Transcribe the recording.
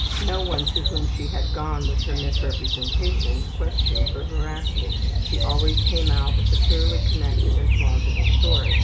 No one to whom she had gone with her misrepresentations questioned her veracity she always came out with a clearly connected and plausible story.